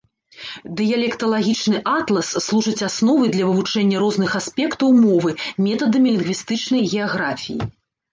Дыялекталагічны атлас служыць асновай для вывучэння розных аспектаў мовы метадамі лінгвістычнай геаграфіі.